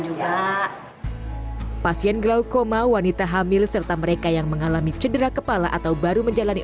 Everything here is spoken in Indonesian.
juga pasien glaucoma wanita hamil serta mereka yang mengalami cedera kepala atau baru menjalani